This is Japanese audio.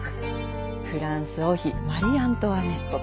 フランス王妃マリ・アントワネット。